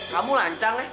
kamu lancang ya